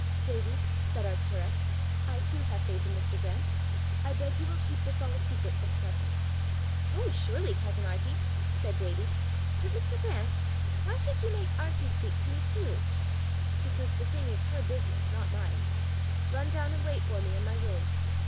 "Davie," said Arctura, "I too have faith in Mr. Grant: I beg you will keep all this a secret for the present." "Oh surely, cousin Arkie!" said Davie. " But, Mr. Grant, why should you make Arkie speak to me too?" "Because the thing is her business, not mine. Run down and wait for me in my room.